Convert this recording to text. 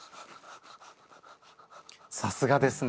さすがですね。